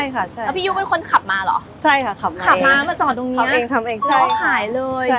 แล้วพี่ยุเป็นคนขับมาเหรอใช่ค่ะขับมามาจอดตรงเนี่ยขับเองแล้วเขาขายเลย